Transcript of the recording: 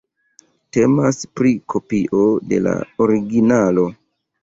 Temas pri kopio de la originalo.